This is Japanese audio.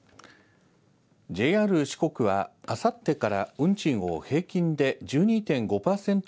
ＪＲ四国は、あさってから運賃を平均で１２．５パーセント